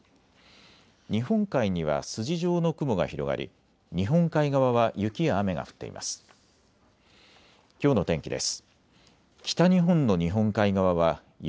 日本海には筋状の雲が広がり日本海側は雪や雨が降っています。